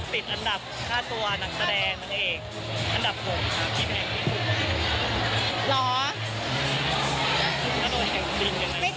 ปิดอันดับ๕ตัวนักแสดงนักเอกอันดับ๖ค่ะมีแคะแนนผิด